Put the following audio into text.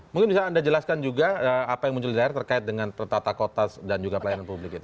mungkin bisa anda jelaskan juga apa yang muncul di daerah terkait dengan tata kota dan juga pelayanan publik itu